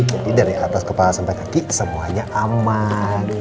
jadi dari atas kepala sampai kaki semuanya aman